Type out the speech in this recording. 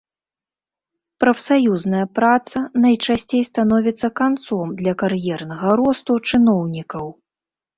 Прафсаюзная праца найчасцей становіцца канцом для кар'ернага росту чыноўнікаў.